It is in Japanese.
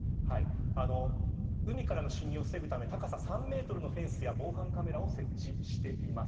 海からの侵入を防ぐため高さ３メートルのフェンスや防犯カメラを設置しています。